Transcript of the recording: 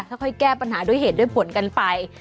ค่อยแก้ปัญหาด้วยเหตุด้วยผลกันไป